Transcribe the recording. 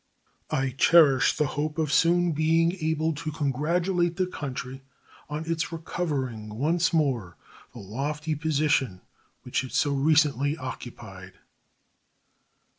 I cherish the hope of soon being able to congratulate the country on its recovering once more the lofty position which it so recently occupied.